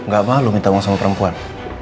gak malu minta uang sama perempuan